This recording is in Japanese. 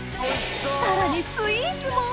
さらにスイーツも！